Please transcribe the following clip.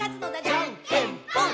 「じゃんけんぽん！！」